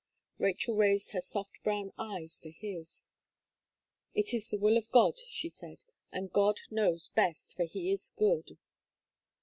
Rachel raised her soft brown eyes to his: "It is the will of God," she said, "and God knows best, for He is good."